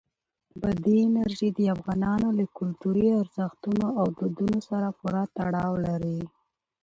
بادي انرژي د افغانانو له کلتوري ارزښتونو او دودونو سره پوره تړاو لري.